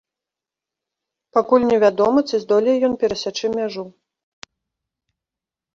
Пакуль невядома, ці здолее ён перасячы мяжу.